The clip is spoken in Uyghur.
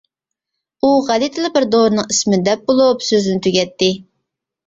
ئۇ غەلىتىلا بىر دورىنىڭ ئىسمىنى دەپ بولۇپ سۆزنى تۈگەتتى.